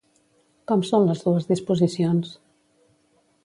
Com són les dues disposicions?